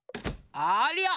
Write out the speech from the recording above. ありゃあ！